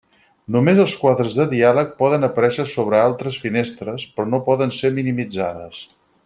Només els quadres de diàleg poden aparèixer sobre altres finestres, però no poden ser minimitzades.